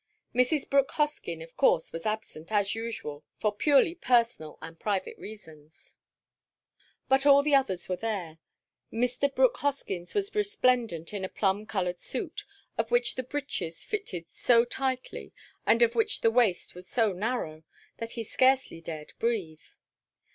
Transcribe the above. Mrs. Brooke Hoskyn, of course, was absent, as usual, for purely personal and private reasons. But all the others were there. Mr. Brooke Hoskyn was resplendent in a plum coloured suit, of which the breeches fitted so tightly, and of which the waist was so narrow, that he scarcely dared breathe.